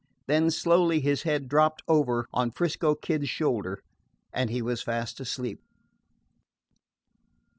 Then slowly his head dropped over on 'Frisco Kid's shoulder and he was fast asleep.